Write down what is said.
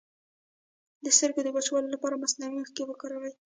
د سترګو د وچوالي لپاره مصنوعي اوښکې وکاروئ